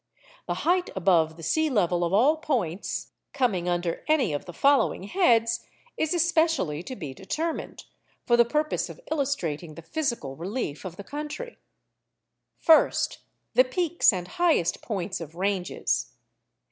The height above the sea level of all points coming under any of the following heads is especially to be determined, for the purpose of illustrating the physical relief of the country:— '1st. The peaks and highest points of ranges.